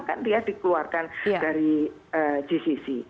kan dia dikeluarkan dari gcc